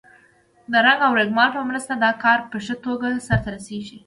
د رنګ او رېګمال په مرسته دا کار په ښه توګه سرته رسیږي.